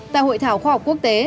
tại hội thảo khoa học quốc tế